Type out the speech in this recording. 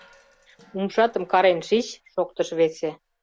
— Умшатым карен шич, — шоктыш весе.